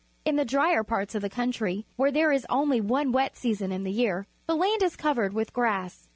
In the drier parts of the country, where there is only one wet season in the year, the land is covered with grass.